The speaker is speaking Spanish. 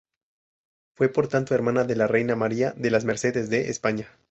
Fue, por tanto, hermana de la reina María de las Mercedes de España.